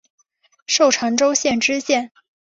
授长洲县知县。